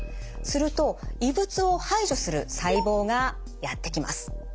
すると異物を排除する細胞がやって来ます。